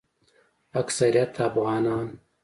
اکثریت افغانان